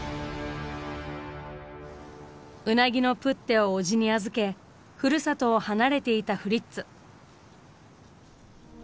ウナギのプッテを叔父に預けふるさとを離れていたフリッツ。